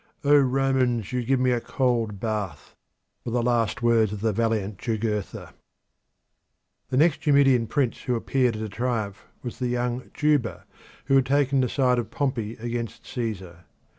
"O Romans, you give me a cold bath!" were the last words of the valiant Jugurtha. The next Numidian prince who appeared at a triumph was the young Juba, who had taken the side of Pompey against Caesar.